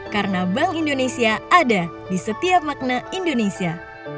karena bank indonesia ada di setiap makna indonesia